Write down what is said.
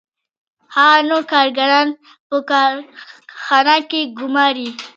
هغه نور کارګران په کارخانه کې ګوماري